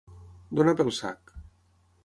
Donar pel sac.